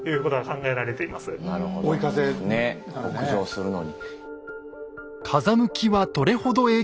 ねっ北上するのに。